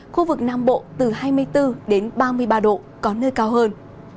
khu vực nam bộ từ hai mươi bốn đến ba mươi ba độ có nơi cao hơn